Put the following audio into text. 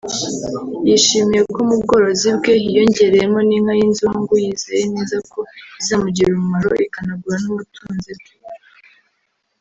yishimiye ko mubworozi bwe hiyongereyemo n’inka y’inzungu yizeye neza ko izamugirira umumaro ikanagura n’umutunzi bwe